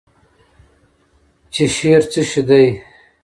چې شعر څه شی دی؟